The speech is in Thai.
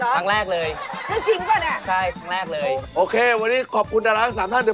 ครั้งแรกหรอครับครั้งแรกเลยค